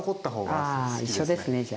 ああ一緒ですねじゃ。